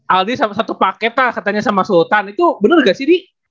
aldi sama satu paket lah katanya sama sultan itu benar gak sih di